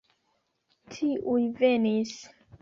Tiuj venis.